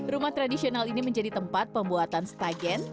rumah tradisional ini menjadi tempat pembuatan stagen